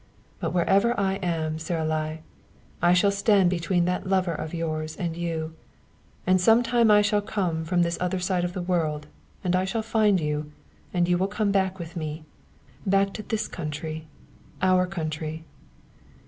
But wherever I am; Saralie, I shall stand between that lover of yours and you. And sometime I shall come from this other side of the world, and I shall find you, and you will come back with me. Back to this country our country."